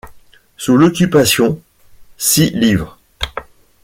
Sous l'Occupation, six livres.